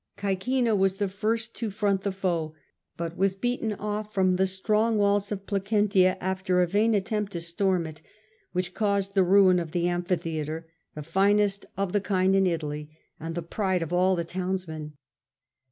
135 Caecina was the first to front the foe, but was beaten off from the strong walls of Placentia after a vain at tempt to storm it, which caused the ruin of the amphi theatre, the finest of the kind in Italy and the pride of all the townsmen.